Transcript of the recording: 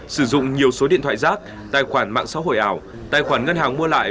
sử dụng nhiều số điện thoại rác tài khoản mạng xã hội ảo tài khoản ngân hàng mua lại